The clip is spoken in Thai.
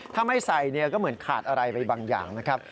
ถ้าไม่ใส่เนี่ยก็เหมือนขาดอะไรไปบางอย่างนะครับ